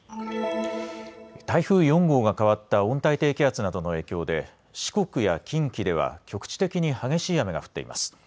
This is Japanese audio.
台風４号が変わった温帯低気圧などの影響で四国や近畿では局地的に激しい雨が降っています。